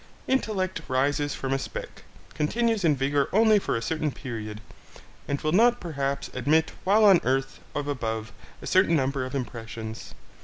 Intellect rises from a speck, continues in vigour only for a certain period, and will not perhaps admit while on earth of above a certain number of impressions.